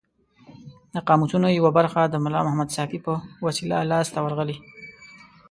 د قاموسونو یوه برخه د ملا محمد ساپي په وسیله لاس ته ورغلې.